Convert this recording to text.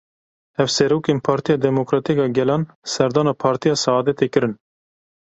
Hevserokên Partiya Demokratîk a Gelan serdana Partiya Seadetê kirin.